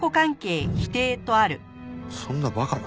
そんな馬鹿な。